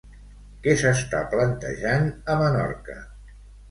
Què s'està plantejant a Menorca?